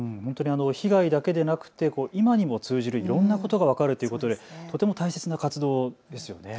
被害だけでなくて今にも通じるいろんなことが分かるということでとても大切な活動ですよね。